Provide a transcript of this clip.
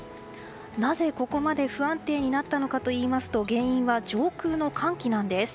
なぜここまで不安定になったのかといいますと原因は上空の寒気なんです。